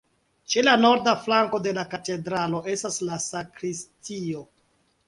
Ĉe la norda flanko de la katedralo estas la sakristio.